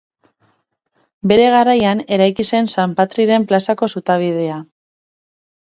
Bere garaian eraiki zen San Petriren plazako zutabedia.